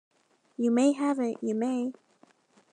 You may have it, you may!